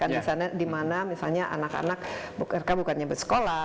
di sana dimana misalnya anak anak rk bukannya bersekolah